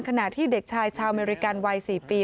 ขณะที่เด็กชายชาวอเมริกันวัย๔ปี